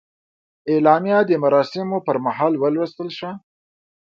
اعلامیه د مراسمو پر مهال ولوستل شوه.